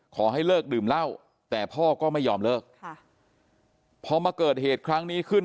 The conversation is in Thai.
ขอให้เลิกดื่มเหล้าแต่พ่อก็ไม่ยอมเลิกค่ะพอมาเกิดเหตุครั้งนี้ขึ้น